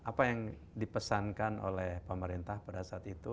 nah apa yang dipesankan oleh pemerintah pada saat ini